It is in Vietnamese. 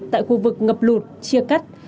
tại khu vực ngập lụt chia cắt